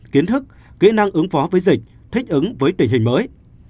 kiến thức kỹ năng ứng phó với dịch thích ứng với tình hình mới